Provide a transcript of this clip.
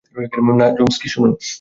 না, যিমস্কি, শুনুন!